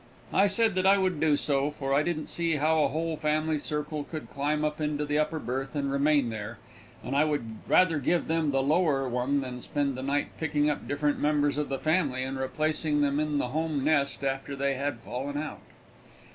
I said that I would do so, for I didn't see how a whole family circle could climb up into the upper berth and remain there, and I would rather give them the lower one than spend the night picking up different members of the family and replacing them in the home nest after they had fallen out.